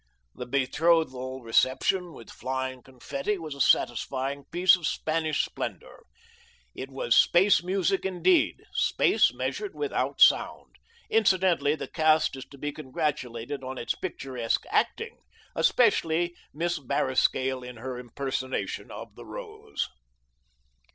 The betrothal reception with flying confetti was a satisfying piece of Spanish splendor. It was space music indeed, space measured without sound. Incidentally the cast is to be congratulated on its picturesque acting, especially Miss Barriscale in her impersonation of the Rose.